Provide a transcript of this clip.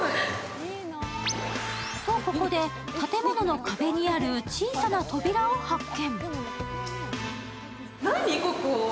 とここで、建物の壁にある小さな扉を発見。